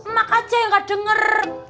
mak aja yang gak denger